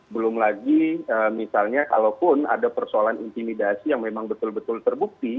belum lagi misalnya kalaupun ada persoalan intimidasi yang memang betul betul terbukti